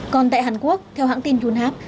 còn tại hàn quốc theo hãng tin thunhap